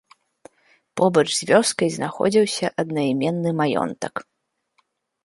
Побач з вёскай знаходзіўся аднайменны маёнтак.